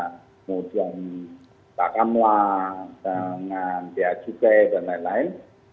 kemudian takamuah dengan dajukai dan lain lain